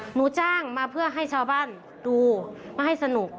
หนูจ้างมาเพื่อให้ชาวบ้านดูมาให้สนุก